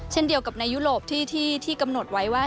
เช่นเดียวกับในยุโรปที่กำหนดไว้ว่า